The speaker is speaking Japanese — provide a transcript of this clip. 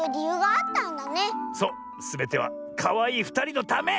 すべてはかわいいふたりのため！